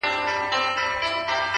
هره هڅه د داخلي ودې برخه ده؛